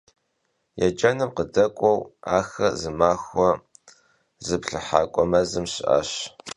Yêcenım khıdek'ueu axer zımaxue zıplhıhak'ue mezım şı'aş.